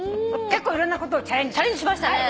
結構いろんなことチャレンジしました。